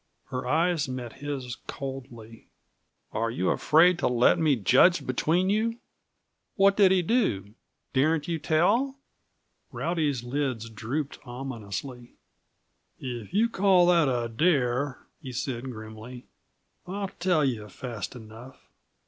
Her eyes met his coldly. "Are you afraid to let me judge between you? What did he do? Daren't you tell?" Rowdy's lids drooped ominously. "If you call that a dare," he said grimly, "I'll tell you, fast enough.